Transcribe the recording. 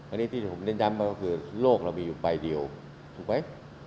อันนี้ที่ผมเน้นย้ำมาก็คือโลกเรามีอยู่ใบเดียวถูกไหม